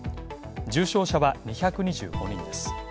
重症者は２２５人です。